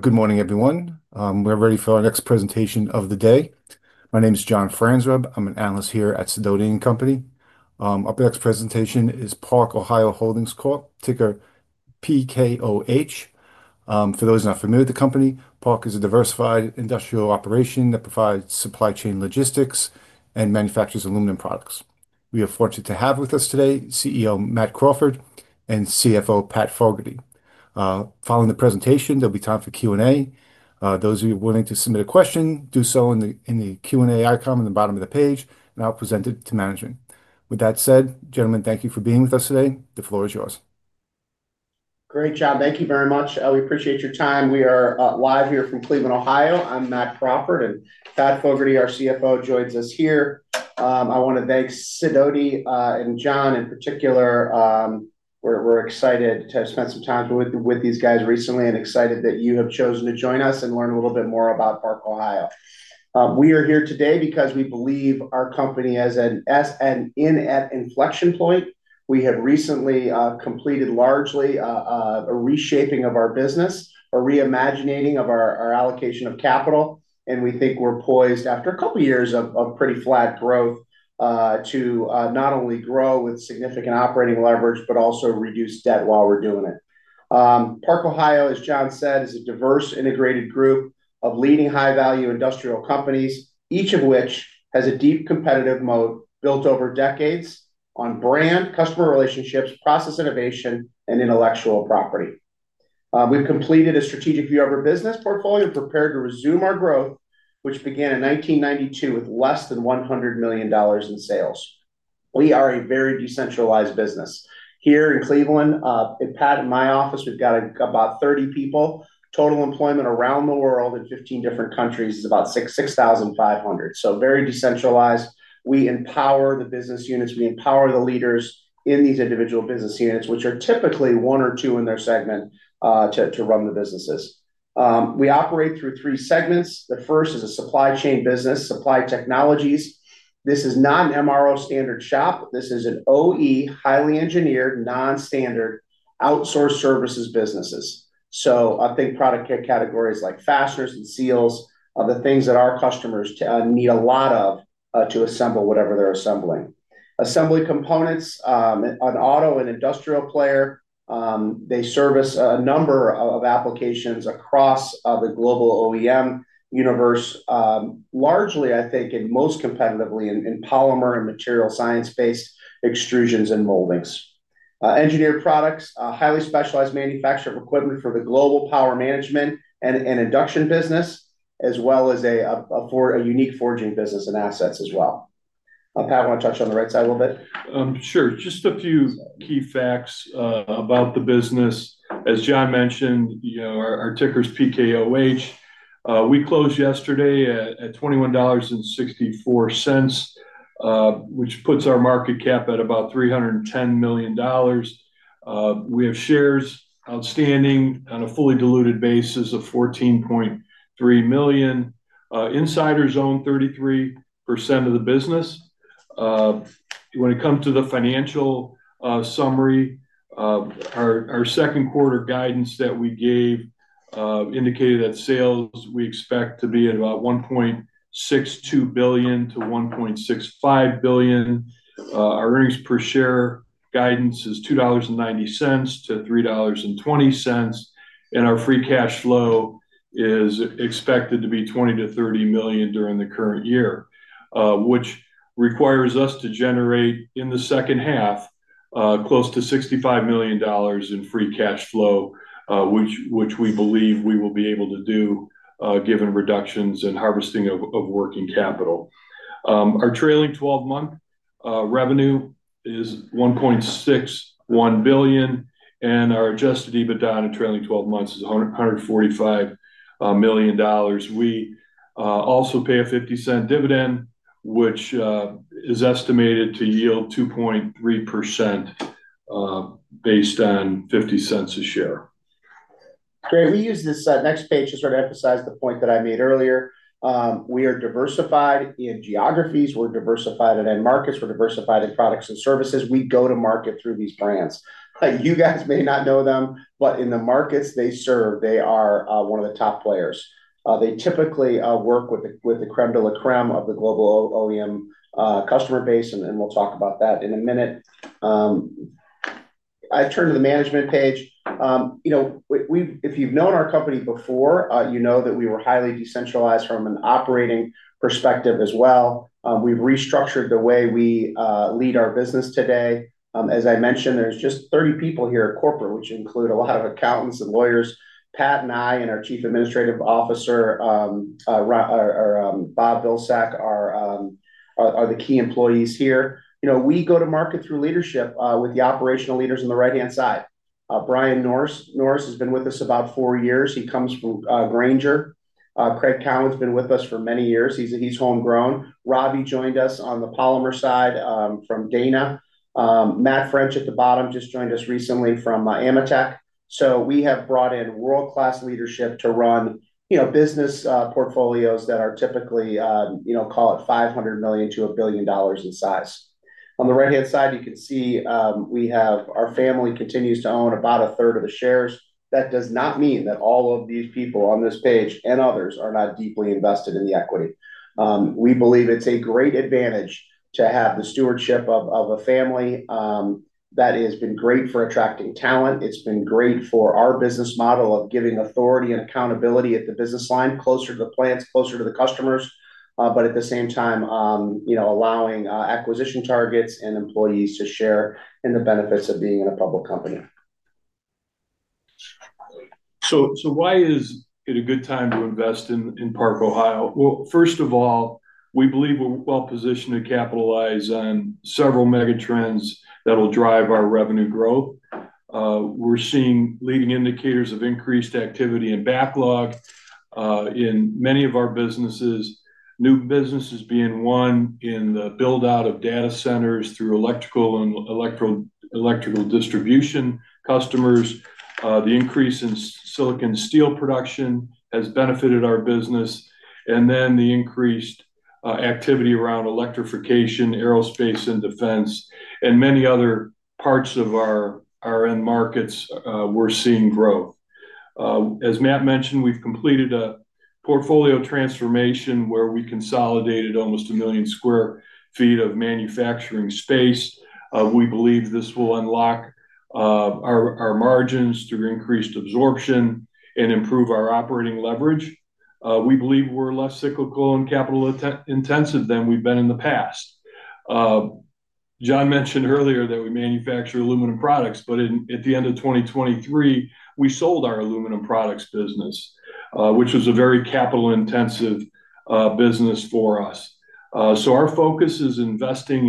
Good morning, everyone. We're ready for our next presentation of the day. My name is John Franzreb. I'm an analyst here at Sedona Inc. Our next presentation is Park-Ohio Holdings Corp., ticker PKOH. For those not familiar with the company, Park-Ohio is a diversified industrial operation that provides supply chain logistics and manufactures aluminum products. We are fortunate to have with us today CEO Matthew V. Crawford and CFO Patrick Fogarty. Following the presentation, there will be time for Q&A. Those of you willing to submit a question, do so in the Q&A icon at the bottom of the page, and I'll present it to management. With that said, gentlemen, thank you for being with us today. The floor is yours. Great job. Thank you very much. We appreciate your time. We are live here from Cleveland, Ohio. I'm Matt Crawford, and Pat Fogarty, our CFO, joins us here. I want to thank Sedona and John in particular. We're excited to spend some time with these guys recently and excited that you have chosen to join us and learn a little bit more about Park-Ohio. We are here today because we believe our company is at an inflection point. We have recently completed largely a reshaping of our business, a reimagining of our allocation of capital, and we think we're poised, after a couple of years of pretty flat growth, to not only grow with significant operating leverage but also reduce debt while we're doing it. Park-Ohio, as John said, is a diverse, integrated group of leading high-value industrial companies, each of which has a deep competitive moat built over decades on brand, customer relationships, process innovation, and intellectual property. We've completed a strategic view of our business portfolio and are prepared to resume our growth, which began in 1992 with less than $100 million in sales. We are a very decentralized business. Here in Cleveland, at Pat and my office, we've got about 30 people. Total employment around the world in 15 different countries is about 6,500. Very decentralized. We empower the business units. We empower the leaders in these individual business units, which are typically one or two in their segment to run the businesses. We operate through three segments. The first is a supply chain business, Supply Technologies. This is not an MRO standard shop. This is an OE, highly engineered, non-standard outsourced services business. Think product categories like fasteners and seals, the things that our customers need a lot of to assemble whatever they're assembling. Assembly Components, an auto and industrial player. They service a number of applications across the global OEM universe, largely, I think, and most competitively in polymer and material science-based extrusions and moldings. Engineered Products, highly specialized manufacturer of equipment for the global power management and induction business, as well as a unique forging business and assets as well. Pat, I want to touch on the right side a little bit. Sure. Just a few key facts about the business. As John mentioned, you know our ticker is PKOH. We closed yesterday at $21.64, which puts our market cap at about $310 million. We have shares outstanding on a fully diluted basis of 14.3 million. Insiders own 33% of the business. When it comes to the financial summary, our second quarter guidance that we gave indicated that sales we expect to be at about $1.62 billion to $1.65 billion. Our earnings per share guidance is $2.90 to $3.20, and our free cash flow is expected to be $20 million to $30 million during the current year, which requires us to generate, in the second half, close to $65 million in free cash flow, which we believe we will be able to do given reductions in harvesting of working capital. Our trailing 12-month revenue is $1.61 billion, and our adjusted EBITDA in the trailing 12 months is $145 million. We also pay a $0.50 dividend, which is estimated to yield 2.3% based on $0.50 a share. Great. We use this next page to sort of emphasize the point that I made earlier. We are diversified in geographies. We're diversified in end markets. We're diversified in products and services. We go to market through these brands. You guys may not know them, but in the markets they serve, they are one of the top players. They typically work with the crème de la crème of the global OEM customer base, and we'll talk about that in a minute. I turn to the management page. If you've known our company before, you know that we were highly decentralized from an operating perspective as well. We've restructured the way we lead our business today. As I mentioned, there's just 30 people here at corporate, which include a lot of accountants and lawyers. Pat and I and our Chief Administrative Officer, Bob Vilsack, are the key employees here. We go to market through leadership with the operational leaders on the right-hand side. Bryan Norris has been with us about four years. He comes from Grainger. Craig Cowan's been with us for many years. He's homegrown. Ravi joined us on the polymer side from Dana. Matt French at the bottom just joined us recently from Ametek. We have brought in world-class leadership to run business portfolios that are typically, call it $500 million to $1 billion in size. On the right-hand side, you can see our family continues to own about a third of the shares. That does not mean that all of these people on this page and others are not deeply invested in the equity. We believe it's a great advantage to have the stewardship of a family. That has been great for attracting talent. It's been great for our business model of giving authority and accountability at the business line, closer to the plants, closer to the customers, but at the same time, allowing acquisition targets and employees to share in the benefits of being in a public company. Why is it a good time to invest in Park-Ohio? First of all, we believe we're well-positioned to capitalize on several megatrends that will drive our revenue growth. We're seeing leading indicators of increased activity and backlog in many of our businesses, new businesses being one in the build-out of data centers through electrical and electrical distribution customers. The increase in silicon steel production has benefited our business, and the increased activity around electrification, aerospace, and defense, and many other parts of our end markets, we're seeing growth. As Matt mentioned, we've completed a portfolio transformation where we consolidated almost a million square feet of manufacturing space. We believe this will unlock our margins through increased absorption and improve our operating leverage. We believe we're less cyclical and capital-intensive than we've been in the past. John mentioned earlier that we manufacture aluminum products, but at the end of 2023, we sold our aluminum products business, which was a very capital-intensive business for us. Our focus is investing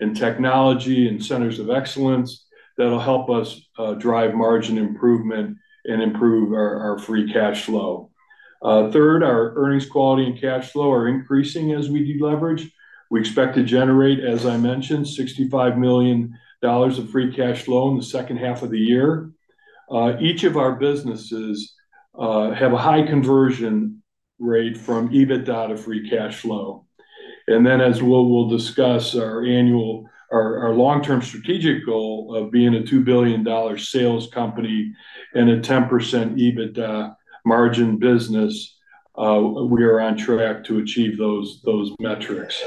in technology and centers of excellence that will help us drive margin improvement and improve our free cash flow. Third, our earnings quality and cash flow are increasing as we de-leverage. We expect to generate, as I mentioned, $65 million of free cash flow in the second half of the year. Each of our businesses has a high conversion rate from EBITDA to free cash flow. As we'll discuss, our long-term strategic goal of being a $2 billion sales company and a 10% EBITDA margin business, we are on track to achieve those metrics.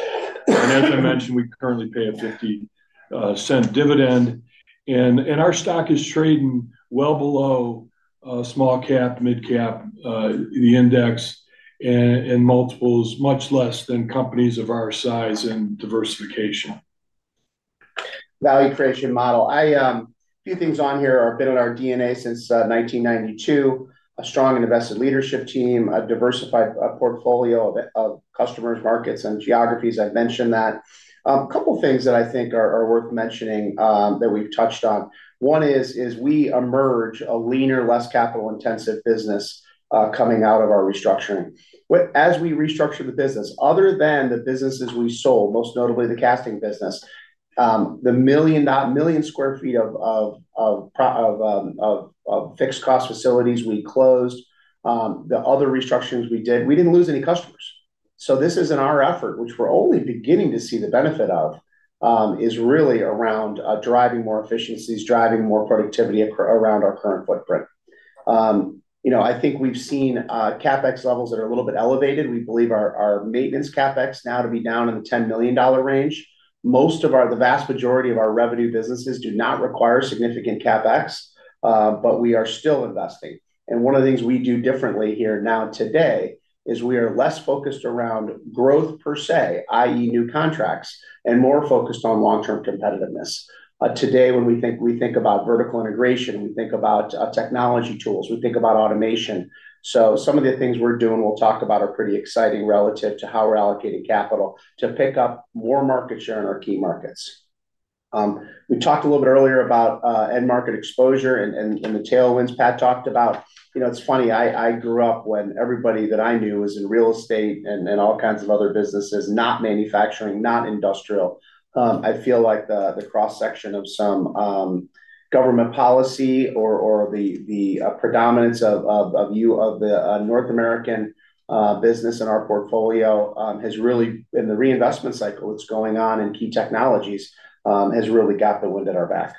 As I mentioned, we currently pay a $0.50 dividend, and our stock is trading well below small cap, mid cap, the index, and multiples much less than companies of our size in diversification. Value creation model. A few things on here are a bit on our DNA since 1992. A strong invested leadership team, a diversified portfolio of customers, markets, and geographies. I mentioned that. A couple of things that I think are worth mentioning that we've touched on. One is we emerge a leaner, less capital-intensive business coming out of our restructuring. As we restructured the business, other than the businesses we sold, most notably the casting business, the million square feet of fixed cost facilities we closed, the other restructurings we did, we didn't lose any customers. This is in our effort, which we're only beginning to see the benefit of, is really around driving more efficiencies, driving more productivity around our current footprint. I think we've seen CapEx levels that are a little bit elevated. We believe our maintenance CapEx now to be down in the $10 million range. Most of our, the vast majority of our revenue businesses do not require significant CapEx, but we are still investing. One of the things we do differently here now today is we are less focused around growth per se, i.e., new contracts, and more focused on long-term competitiveness. Today, when we think about vertical integration, we think about technology tools, we think about automation. Some of the things we're doing we'll talk about are pretty exciting relative to how we're allocating capital to pick up more market share in our key markets. We talked a little bit earlier about end market exposure and the tailwinds Pat talked about. It's funny. I grew up when everybody that I knew was in real estate and all kinds of other businesses, not manufacturing, not industrial. I feel like the cross-section of some government policy or the predominance of you of the North American business in our portfolio has really, in the reinvestment cycle that's going on in key technologies, has really got the wind at our back.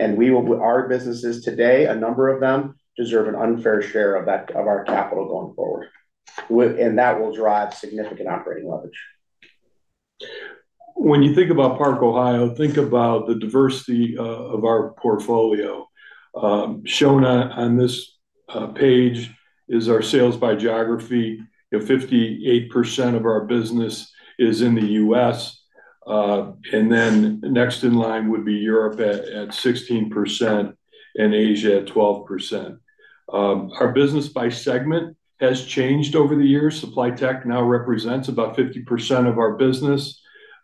Our businesses today, a number of them, deserve an unfair share of our capital going forward, and that will drive significant operating leverage. When you think about Park-Ohio, think about the diversity of our portfolio. Shown on this page is our sales by geography. 58% of our business is in the U.S., and then next in line would be Europe at 16% and Asia at 12%. Our business by segment has changed over the years. Supply Technologies now represents about 50% of our business.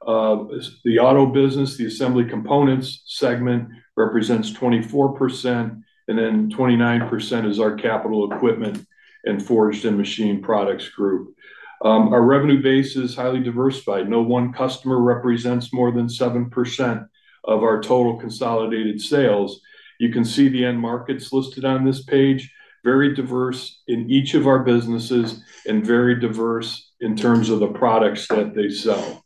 The auto business, the Assembly Components segment, represents 24%, and then 29% is our capital equipment and forged and machine products group. Our revenue base is highly diversified. No one customer represents more than 7% of our total consolidated sales. You can see the end markets listed on this page, very diverse in each of our businesses and very diverse in terms of the products that they sell.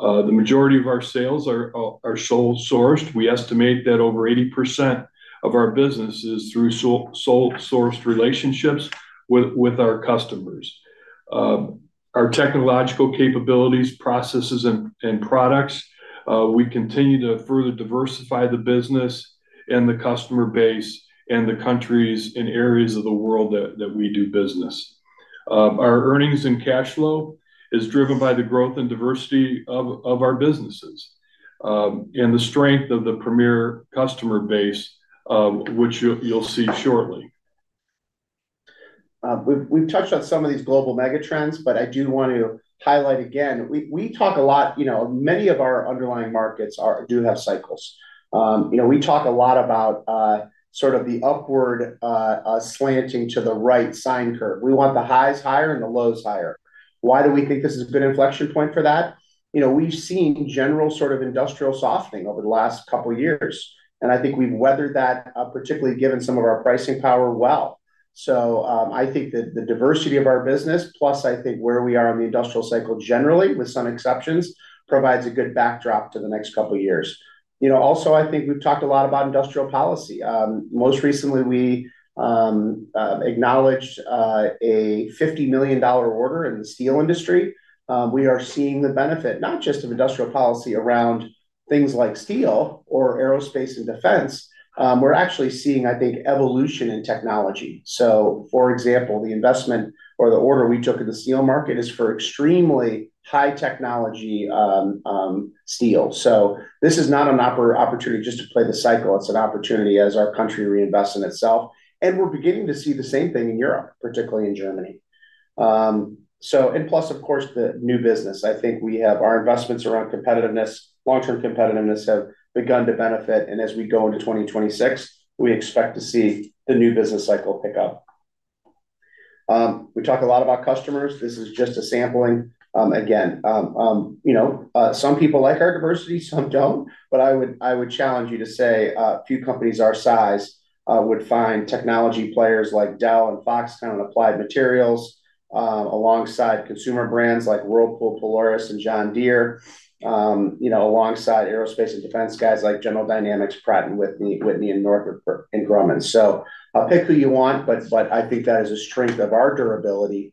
The majority of our sales are sole sourced. We estimate that over 80% of our business is through sole-sourced relationships with our customers. Our technological capabilities, processes, and products, we continue to further diversify the business and the customer base and the countries and areas of the world that we do business. Our earnings and cash flow are driven by the growth and diversity of our businesses and the strength of the premier customer base, which you'll see shortly. We've touched on some of these global megatrends, but I do want to highlight again, we talk a lot. Many of our underlying markets do have cycles. We talk a lot about sort of the upward slanting to the right sign curve. We want the highs higher and the lows higher. Why do we think this is a good inflection point for that? We've seen general sort of industrial softening over the last couple of years, and I think we've weathered that, particularly given some of our pricing power well. I think that the diversity of our business, plus I think where we are in the industrial cycle generally, with some exceptions, provides a good backdrop to the next couple of years. Also, I think we've talked a lot about industrial policy. Most recently, we acknowledged a $50 million order in the steel industry. We are seeing the benefit, not just of industrial policy around things like steel or aerospace and defense. We're actually seeing, I think, evolution in technology. For example, the investment or the order we took in the steel market is for extremely high technology steel. This is not an opportunity just to play the cycle. It's an opportunity as our country reinvests in itself, and we're beginning to see the same thing in Europe, particularly in Germany. Plus, of course, the new business. I think we have our investments around competitiveness, long-term competitiveness have begun to benefit, and as we go into 2026, we expect to see the new business cycle pick up. We talk a lot about customers. This is just a sampling. Some people like our diversity, some don't, but I would challenge you to say a few companies our size would find technology players like Dell and Foxconn in applied materials, alongside consumer brands like Whirlpool, Polaris, and John Deere, alongside aerospace and defense guys like General Dynamics, Pratt & Whitney, and Northrop Grumman. I'll pick who you want, but I think that is a strength of our durability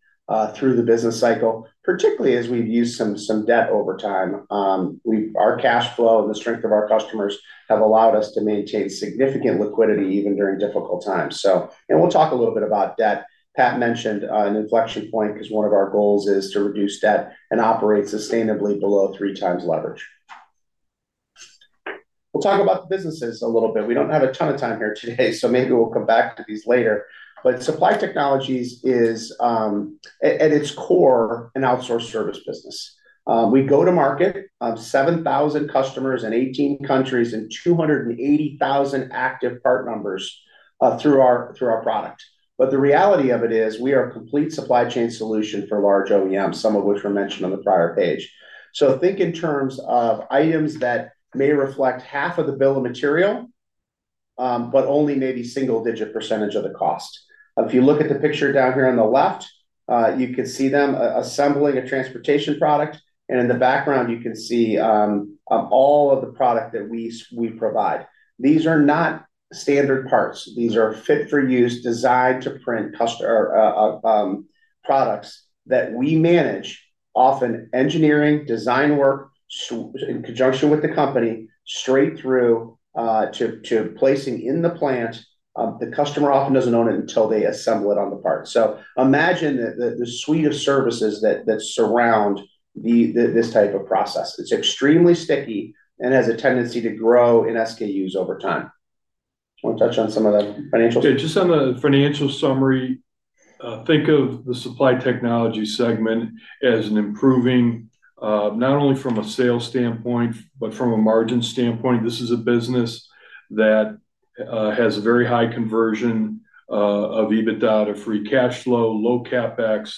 through the business cycle, particularly as we've used some debt over time. Our cash flow and the strength of our customers have allowed us to maintain significant liquidity even during difficult times. We'll talk a little bit about debt. Pat mentioned an inflection point because one of our goals is to reduce debt and operate sustainably below three times leverage. We'll talk about the businesses a little bit. We don't have a ton of time here today, so maybe we'll come back to these later, but Supply Technologies is, at its core, an outsourced service business. We go to market, have 7,000 customers in 18 countries and 280,000 active part numbers through our product. The reality of it is we are a complete supply chain solution for large OEMs, some of which were mentioned on the prior page. Think in terms of items that may reflect half of the bill of material, but only maybe a single-digit % of the cost. If you look at the picture down here on the left, you could see them assembling a transportation product, and in the background, you can see all of the product that we provide. These are not standard parts. These are fit-for-use, designed-to-print products that we manage, often engineering, design work in conjunction with the company, straight through to placing in the plant. The customer often doesn't own it until they assemble it on the part. Imagine the suite of services that surround this type of process. It's extremely sticky and has a tendency to grow in SKUs over time. Want to touch on some of the financial? Just on the financial summary, think of the Supply Technologies segment as improving, not only from a sales standpoint, but from a margin standpoint. This is a business that has a very high conversion of EBITDA to free cash flow, low CapEx.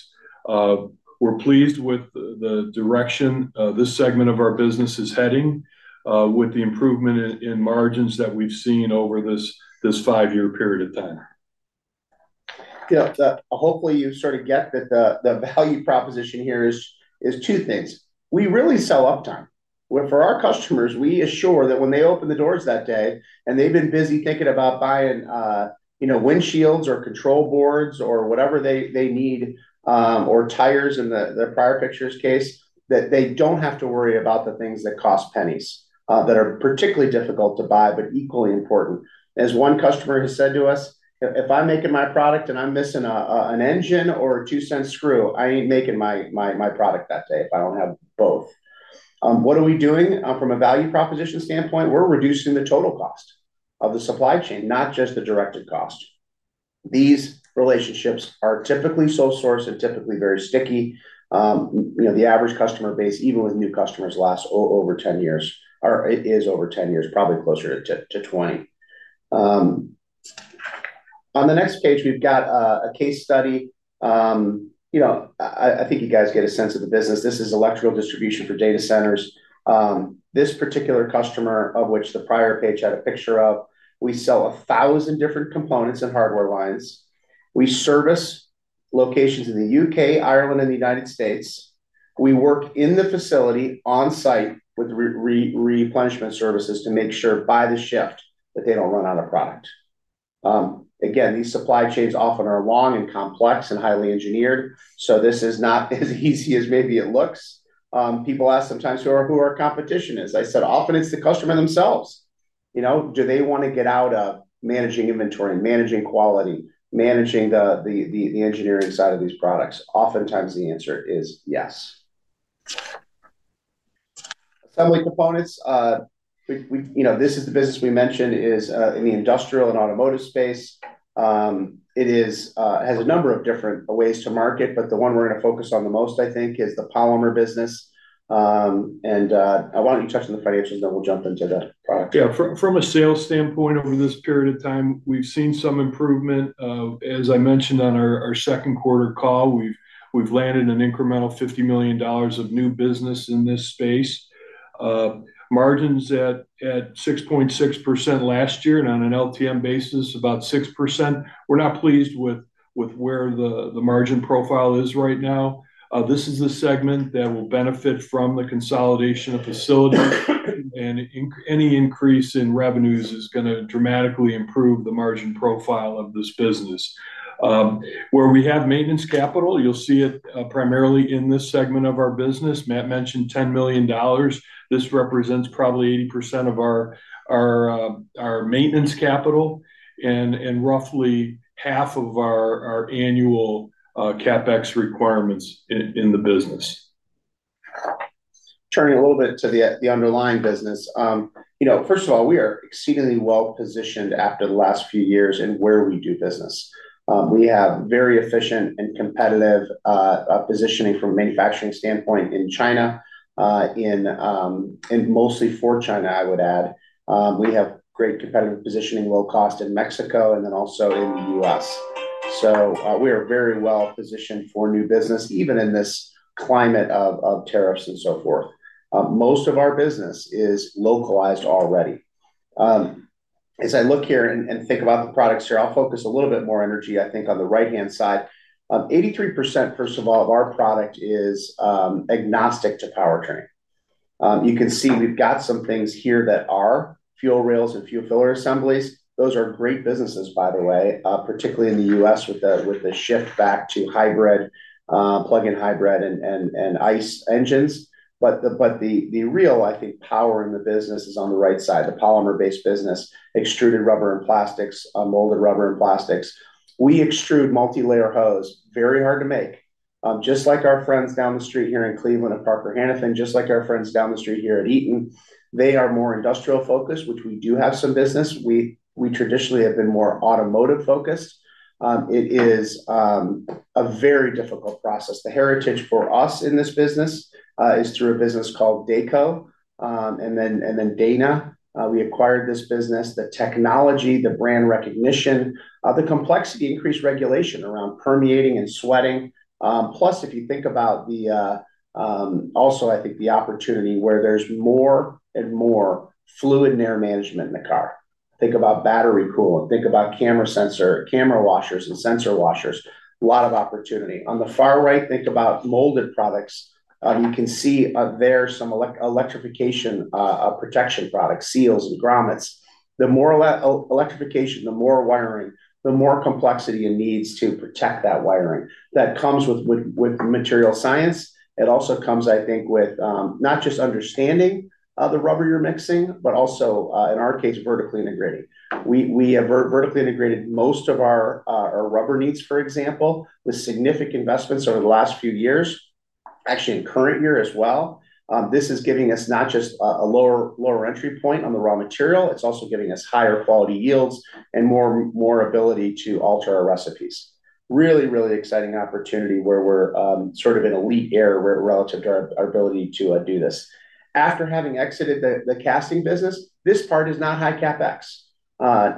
We're pleased with the direction this segment of our business is heading with the improvement in margins that we've seen over this five-year period of time. Yeah. Hopefully, you sort of get that the value proposition here is two things. We really sell uptime. For our customers, we assure that when they open the doors that day and they've been busy thinking about buying windshields or control boards or whatever they need or tires in the prior picture's case, they don't have to worry about the things that cost pennies, that are particularly difficult to buy but equally important. As one customer has said to us, "If I'm making my product and I'm missing an engine or a $0.02 screw, I ain't making my product that day if I don't have both." What are we doing from a value proposition standpoint? We're reducing the total cost of the supply chain, not just the directed cost. These relationships are typically sole-sourced and typically very sticky. The average customer base, even with new customers, lasts over 10 years, is over 10 years, probably closer to 20. On the next page, we've got a case study. I think you guys get a sense of the business. This is electrical distribution for data centers. This particular customer, of which the prior page had a picture of, we sell 1,000 different components and hardware lines. We service locations in the UK, Ireland, and the United States. We work in the facility on-site with replenishment services to make sure by the shift that they don't run out of product. Again, these supply chains often are long and complex and highly engineered, so this is not as easy as maybe it looks. People ask sometimes who our competition is. I said often it's the customer themselves. You know, do they want to get out of managing inventory, managing quality, managing the engineering side of these products? Oftentimes, the answer is yes. Assembly Components, this is the business we mentioned is in the industrial and automotive space. It has a number of different ways to market, but the one we're going to focus on the most, I think, is the polymer business. I want you to touch on the financials, and then we'll jump into that product. Yeah. From a sales standpoint over this period of time, we've seen some improvement. As I mentioned on our second quarter call, we've landed an incremental $50 million of new business in this space. Margins at 6.6% last year and on an LTM basis, about 6%. We're not pleased with where the margin profile is right now. This is a segment that will benefit from the consolidation of facilities, and any increase in revenues is going to dramatically improve the margin profile of this business. Where we have maintenance capital, you'll see it primarily in this segment of our business. Matt mentioned $10 million. This represents probably 80% of our maintenance capital and roughly half of our annual CapEx requirements in the business. Turning a little bit to the underlying business. First of all, we are exceedingly well-positioned after the last few years in where we do business. We have very efficient and competitive positioning from a manufacturing standpoint in China, and mostly for China, I would add. We have great competitive positioning, low cost in Mexico, and then also in the U.S. We are very well positioned for new business, even in this climate of tariffs and so forth. Most of our business is localized already. As I look here and think about the products here, I'll focus a little bit more energy, I think, on the right-hand side. 83% of our product is agnostic to powertrain. You can see we've got some things here that are fuel rails and fuel filler assemblies. Those are great businesses, by the way, particularly in the U.S. with the shift back to hybrid, plug-in hybrid, and ICE engines. The real, I think, power in the business is on the right side, the polymer-based business, extruded rubber and plastics, molded rubber and plastics. We extrude multi-layer hose, very hard to make, just like our friends down the street here in Cleveland at Parker Hannifin, just like our friends down the street here at Eaton. They are more industrial-focused, which we do have some business. We traditionally have been more automotive-focused. It is a very difficult process. The heritage for us in this business is through a business called Dayco, and then Dana. We acquired this business. The technology, the brand recognition, the complexity, increased regulation around permeating and sweating. Plus, if you think about the opportunity where there's more and more fluid and air management in the car. Think about battery coolant. Think about camera sensor, camera washers, and sensor washers. A lot of opportunity. On the far right, think about molded products. You can see there some electrification protection products, seals and grommets. The more electrification, the more wiring, the more complexity it needs to protect that wiring. That comes with material science. It also comes, I think, with not just understanding the rubber you're mixing, but also, in our case, vertically integrating. We have vertically integrated most of our rubber needs, for example, with significant investments over the last few years, actually in current year as well. This is giving us not just a lower entry point on the raw material, it's also giving us higher quality yields and more ability to alter our recipes. Really, really exciting opportunity where we're sort of in elite air relative to our ability to do this. After having exited the casting business, this part is not high CapEx,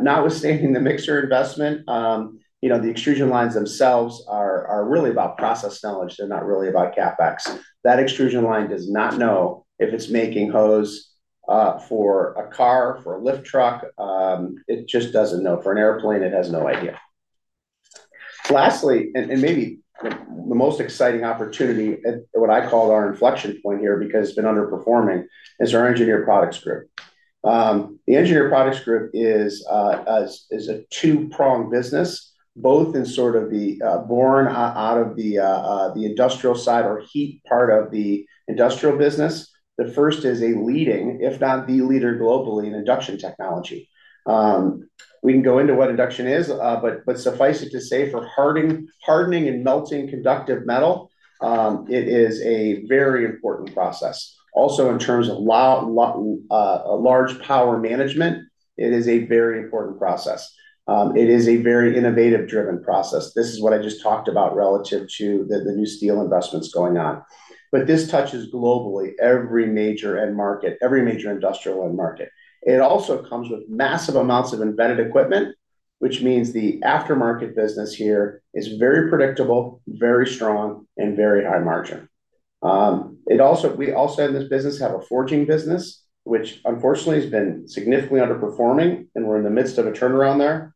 notwithstanding the mixture investment. The extrusion lines themselves are really about process knowledge. They're not really about CapEx. That extrusion line does not know if it's making hose for a car, for a lift truck. It just doesn't know. For an airplane, it has no idea. Lastly, and maybe the most exciting opportunity, what I call our inflection point here because it's been underperforming, is our Engineered Products group. The Engineered Products group is a two-pronged business, both in sort of the born out of the industrial side or heat part of the industrial business. The first is a leading, if not the leader globally in induction technology. We can go into what induction is, but suffice it to say for hardening and melting conductive metal, it is a very important process. Also, in terms of large power management, it is a very important process. It is a very innovative-driven process. This is what I just talked about relative to the new steel investments going on. This touches globally every major end market, every major industrial end market. It also comes with massive amounts of embedded equipment, which means the aftermarket business here is very predictable, very strong, and very high margin. We also in this business have a forging business, which unfortunately has been significantly underperforming, and we're in the midst of a turnaround there.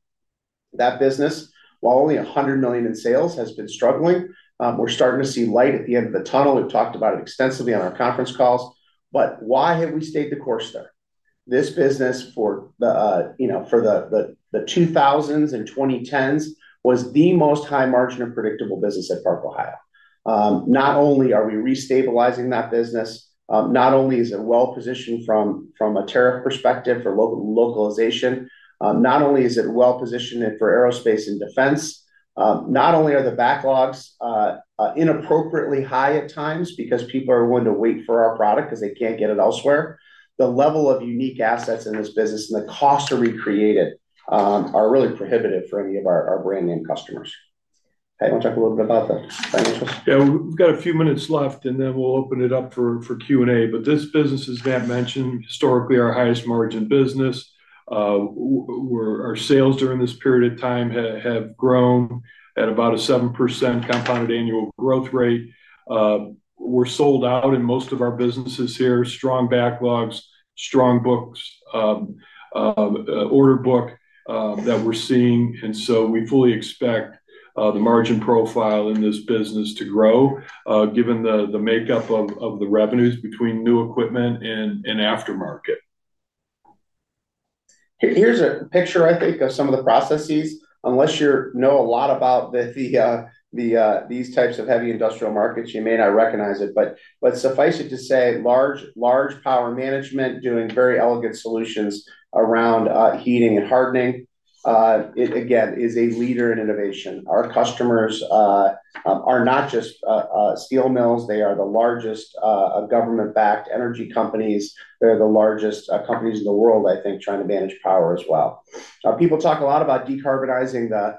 That business, while only $100 million in sales, has been struggling. We're starting to see light at the end of the tunnel. We've talked about it extensively on our conference calls. Why have we stayed the course there? This business for the 2000s and 2010s was the most high margin and predictable business at Park-Ohio. Not only are we restabilizing that business, not only is it well-positioned from a tariff perspective for localization, not only is it well-positioned for aerospace and defense, not only are the backlogs inappropriately high at times because people are willing to wait for our product because they can't get it elsewhere, the level of unique assets in this business and the costs to recreate it are really prohibitive for any of our brand name customers. I want to talk a little bit about the financials. Yeah. We've got a few minutes left, and then we'll open it up for Q&A. This business, as Matt mentioned, is historically our highest margin business. Our sales during this period of time have grown at about a 7% compounded annual growth rate. We're sold out in most of our businesses here, strong backlogs, strong books, order book that we're seeing. We fully expect the margin profile in this business to grow, given the makeup of the revenues between new equipment and aftermarket. Here's a picture, I think, of some of the processes. Unless you know a lot about these types of heavy industrial markets, you may not recognize it. Suffice it to say, large power management doing very elegant solutions around heating and hardening. It, again, is a leader in innovation. Our customers are not just steel mills. They are the largest government-backed energy companies. They're the largest companies in the world, I think, trying to manage power as well. People talk a lot about decarbonizing the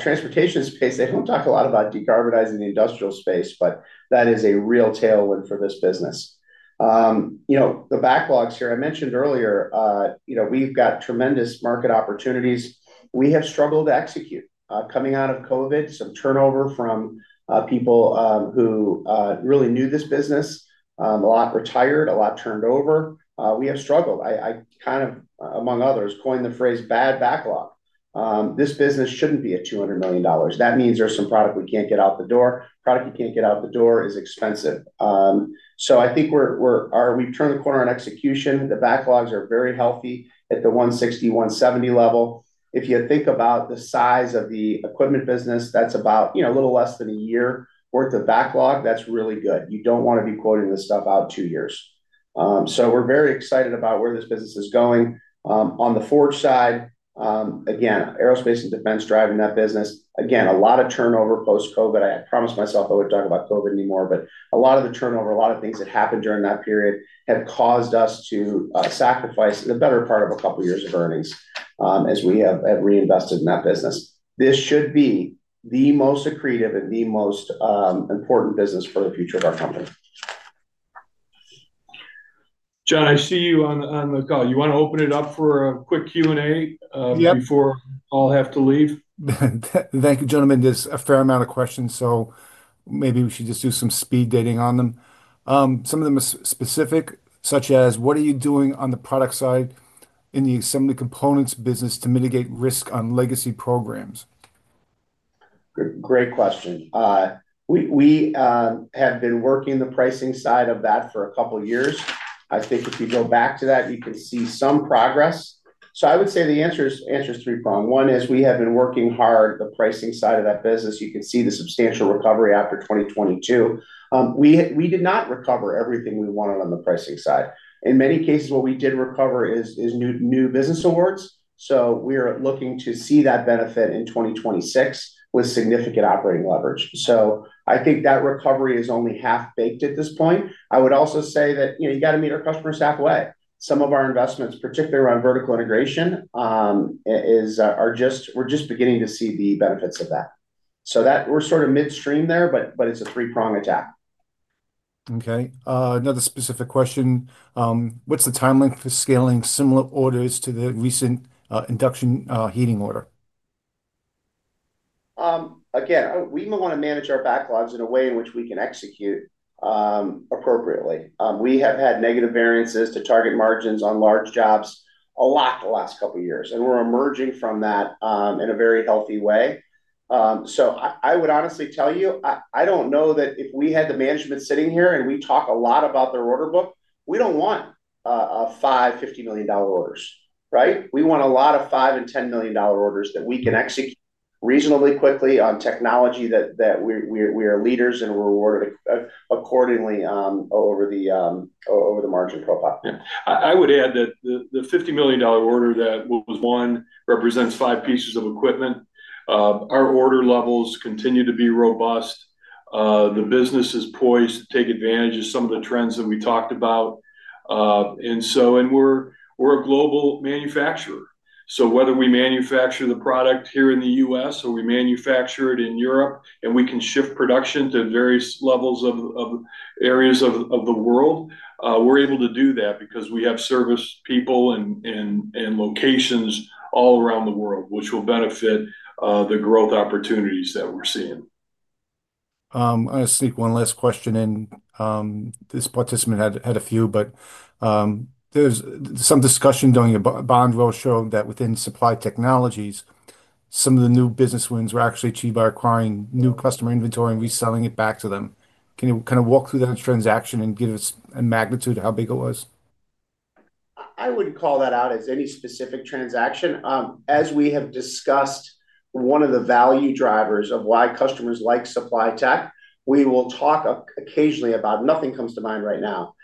transportation space. They don't talk a lot about decarbonizing the industrial space, but that is a real tailwind for this business. The backlogs here, I mentioned earlier, we've got tremendous market opportunities. We have struggled to execute. Coming out of COVID, some turnover from people who really knew this business, a lot retired, a lot turned over. We have struggled. I, among others, coined the phrase bad backlog. This business shouldn't be at $200 million. That means there's some product we can't get out the door. Product you can't get out the door is expensive. I think we've turned the corner on execution. The backlogs are very healthy at the $160-170 million level. If you think about the size of the equipment business, that's about a little less than a year worth of backlog. That's really good. You don't want to be quoting this stuff out two years. We're very excited about where this business is going. On the forge side, again, aerospace and defense driving that business. Again, a lot of turnover post-COVID. I promised myself I wouldn't talk about COVID anymore, but a lot of the turnover, a lot of things that happened during that period had caused us to sacrifice the better part of a couple of years of earnings as we have reinvested in that business. This should be the most accretive and the most important business for the future of our company. John, I see you on the call. You want to open it up for a quick Q&A before I have to leave? Thank you, gentlemen. There's a fair amount of questions, so maybe we should just do some speed dating on them. Some of them are specific, such as what are you doing on the product side in the Assembly Components business to mitigate risk on legacy programs? Great question. We have been working the pricing side of that for a couple of years. I think if you go back to that, you can see some progress. I would say the answer is three-pronged. One is we have been working hard the pricing side of that business. You could see the substantial recovery after 2022. We did not recover everything we wanted on the pricing side. In many cases, what we did recover is new business awards. We are looking to see that benefit in 2026 with significant operating leverage. I think that recovery is only half-baked at this point. You have to meet our customers halfway. Some of our investments, particularly around vertical integration, are just beginning to see the benefits of that. We are sort of midstream there, but it is a three-prong attack. Okay. Another specific question. What's the timeline for scaling similar orders to the recent induction heating order? Again, we want to manage our backlogs in a way in which we can execute appropriately. We have had negative variances to target margins on large jobs a lot the last couple of years, and we're emerging from that in a very healthy way. I would honestly tell you, I don't know that if we had the management sitting here and we talk a lot about their order book, we don't want five $50 million orders, right? We want a lot of $5 million and $10 million orders that we can execute reasonably quickly on technology that we are leaders and we're awarded accordingly over the margin profile. I would add that the $50 million order that was won represents five pieces of equipment. Our order levels continue to be robust. The business is poised to take advantage of some of the trends that we talked about. We are a global manufacturer. Whether we manufacture the product here in the U.S. or we manufacture it in Europe and we can shift production to various areas of the world, we're able to do that because we have service people and locations all around the world, which will benefit the growth opportunities that we're seeing. I'll sneak one last question in. This participant had a few, but there's some discussion during the bond road show that within Supply Technologies, some of the new business wins were actually achieved by acquiring new customer inventory and reselling it back to them. Can you kind of walk through that transaction and give us a magnitude of how big it was? I wouldn't call that out as any specific transaction. As we have discussed, one of the value drivers of why customers like Supply Technologies, we will talk occasionally about nothing comes to mind right now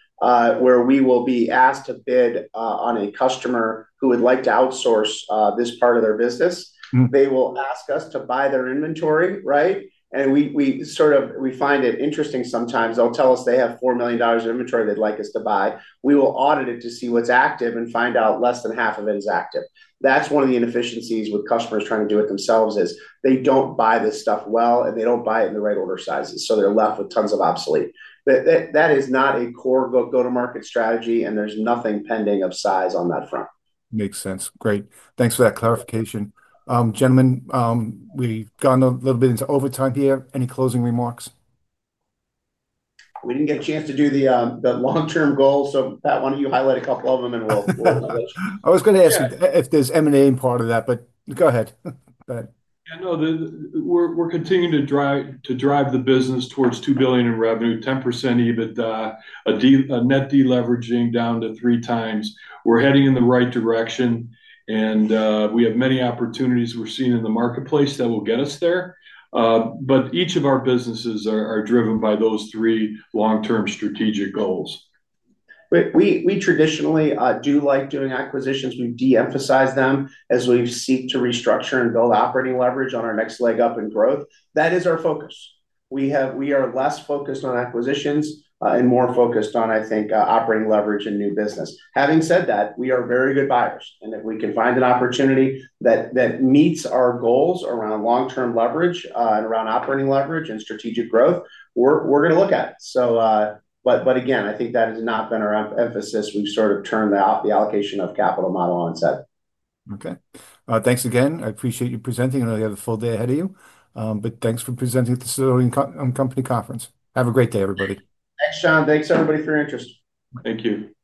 where we will be asked to bid on a customer who would like to outsource this part of their business. They will ask us to buy their inventory, right? We sort of find it interesting sometimes. They'll tell us they have $4 million of inventory they'd like us to buy. We will audit it to see what's active and find out less than half of it is active. That's one of the inefficiencies with customers trying to do it themselves is they don't buy this stuff well, and they don't buy it in the right order sizes. They're left with tons of obsolete. That is not a core go-to-market strategy, and there's nothing pending of size on that front. Makes sense. Great. Thanks for that clarification. Gentlemen, we've gone a little bit into overtime here. Any closing remarks? We didn't get a chance to do the long-term goals. Pat, why don't you highlight a couple of them and we'll... I was going to ask you if there's M&A in part of that, but go ahead. Yeah, no, we're continuing to drive the business towards $2 billion in revenue, 10% EBITDA, a net deleveraging down to three times. We're heading in the right direction, and we have many opportunities we're seeing in the marketplace that will get us there. Each of our businesses are driven by those three long-term strategic goals. We traditionally do like doing acquisitions. We de-emphasize them as we seek to restructure and build operating leverage on our next leg up in growth. That is our focus. We are less focused on acquisitions and more focused on, I think, operating leverage and new business. Having said that, we are very good buyers, and if we can find an opportunity that meets our goals around long-term leverage and around operating leverage and strategic growth, we're going to look at it. Again, I think that has not been our emphasis. We've sort of turned the allocation of capital model on its head. Okay. Thanks again. I appreciate you presenting. I know you have a full day ahead of you, but thanks for presenting at the Silverwing Company Conference. Have a great day, everybody. Thanks, John. Thanks, everybody, for your interest. Thank you.